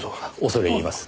恐れ入ります。